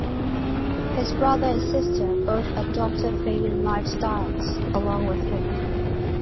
His brother and sister both adopted vegan lifestyles along with him.